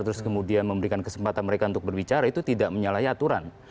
terus kemudian memberikan kesempatan mereka untuk berbicara itu tidak menyalahi aturan